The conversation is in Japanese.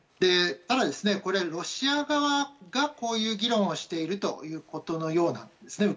ただ、ロシア側がこういう議論をしているということのようなんです。